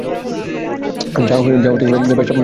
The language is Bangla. যা বেশ্যা কোথাকার!